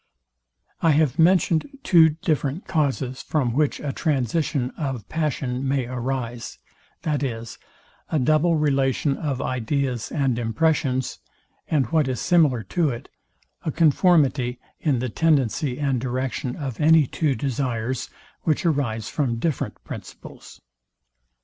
I have mentioned two different causes, from which a transition of passion may arise, viz, a double relation of ideas and impressions, and what is similar to it, a conformity in the tendency and direction of any two desires, which arise from different principles.